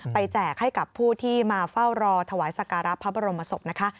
แจกให้กับผู้ที่มาเฝ้ารอถวายสการะพระบรมศพนะคะ